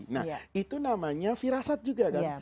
nah itu namanya firasat juga kan